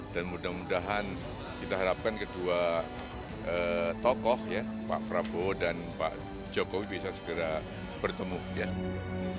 dan mudah mudahan kita harapkan kedua tokoh pak prabowo dan pak jokowi bisa segera berjalan